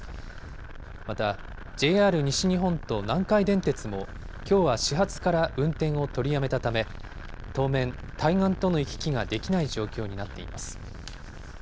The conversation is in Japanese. またＪＲ西日本と南海電鉄も、きょうは始発から運転を取りやめたため、当面、対岸との行き来ができない状況になっています。